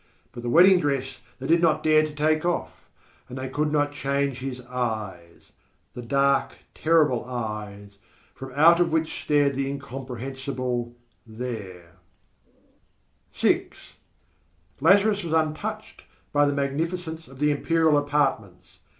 But the wedding dress they did not dare to take off; and they could not change his eyes the dark, terrible eyes from out of which stared the incomprehensible There. VI Lazarus was untouched by the magnificence of the imperial apartments.